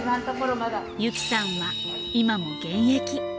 ユキさんは今も現役。